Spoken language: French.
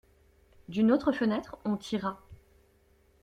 D'une autre fenêtre, on tira.